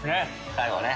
最後ね。